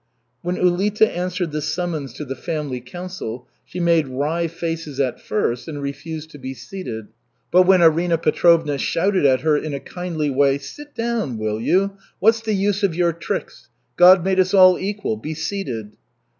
When Ulita answered the summons to the family council she made wry faces at first and refused to be seated. But when Arina Petrovna shouted at her in a kindly way, "Sit down, will you? What's the use of your tricks? God made us all equal be seated."